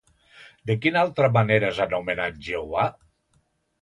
De quina altra manera és anomenat Jehovà?